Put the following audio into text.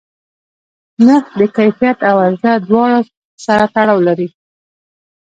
نرخ د کیفیت او عرضه دواړو سره تړاو لري.